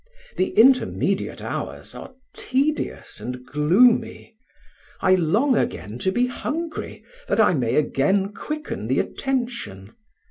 The intermediate hours are tedious and gloomy; I long again to be hungry that I may again quicken the attention.